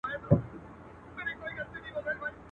o خپلي پښې د خپلي کمبلي سره غځوه.